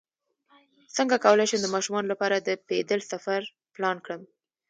څنګه کولی شم د ماشومانو لپاره د پیدل سفر پلان کړم